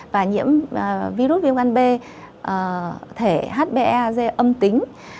và nhiễm virus viêm gan b thể hbe ag âm tính